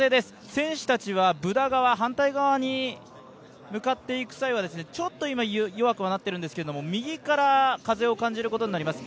選手たちは反対側に向かっていく際にちょっと今弱くなってるんですが右から風を感じることになります。